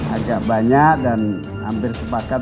agak banyak dan hampir sepakat